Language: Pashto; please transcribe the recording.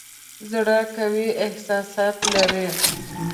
زړه قوي احساسات لري.